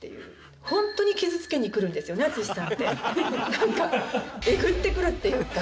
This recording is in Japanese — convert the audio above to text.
なんかエグってくるっていうか。